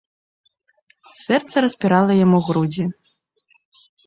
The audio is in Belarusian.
Сэрца распірала яму грудзі.